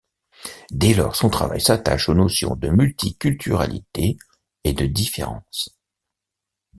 Dès lors son travail s'attache aux notions de multiculturalité et de différence.